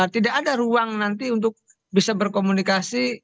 tidak ada ruang nanti untuk bisa berkomunikasi